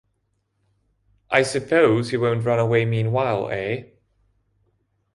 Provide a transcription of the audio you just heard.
I suppose you won’t run away meanwhile, eh?